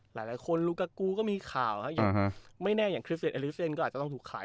หลายหลายคนลูกกากูก็มีข่าวฮะอื้อฮะไม่แน่อย่างก็อาจจะต้องถูกขาย